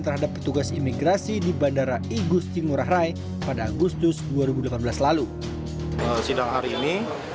tetapi tugas imigrasi di bandara igus tinggurah rai pada agustus dua ribu delapan belas lalu sidang hari ini